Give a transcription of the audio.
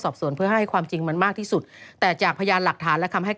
เป็นเรื่องของยุงยักษ์คุณผู้ชมพี่เหมียวพี่ม้า